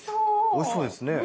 おいしそうですね。